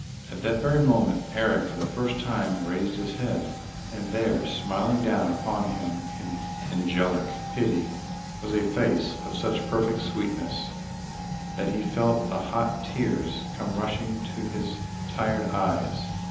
At that very moment Eric, for the first time, raised his head and there, smiling down upon him in angelic pity, was a face of such perfect sweetness, that he felt the hot tears come rushing to his tired eyes.